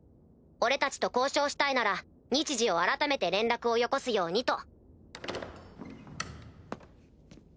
俺たちと交渉したいなら日時を改めて連絡をよこすようにと。